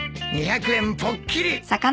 ２００円ぽっきり。